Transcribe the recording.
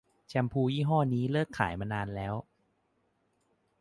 แชมพูยี่ห้อนี้เลิกขายมานานแล้ว